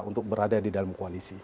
untuk berada di dalam koalisi